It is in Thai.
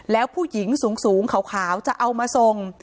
แล้วผู้หญิงสูงขาวจะเอามาส่ง